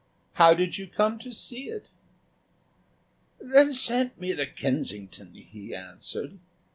"How did you come to see it?" "Then send me the Kensington," he answered.